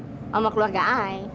sama keluarga ay